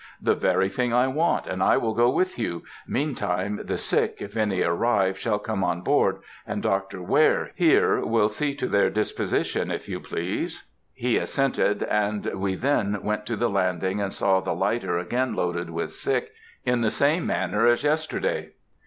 "The very thing I want, and I will go with you. Meantime the sick, if any arrive, shall come on board, and Dr. Ware, here, will see to their disposition, if you please." He assented, and we then went to the landing and saw the lighter again loaded with sick, in the same manner as yesterday.